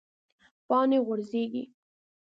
پاڼې غورځیږي